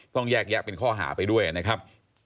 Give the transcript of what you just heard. ต้องแยกแยะเป็นข้อหาไปด้วยนะครับ